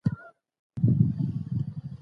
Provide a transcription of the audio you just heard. غير مادي وسايل هم مهم دي.